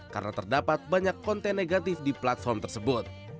karena terdapat banyak konten negatif di platform tersebut